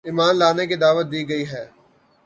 ایمان لانے کی دعوت دی گئی ہے